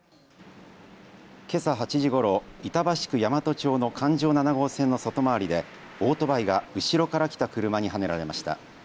けさ８時ごろ、板橋区大和町の環状７号線の外回りでオートバイが後ろから来た車にはねられました。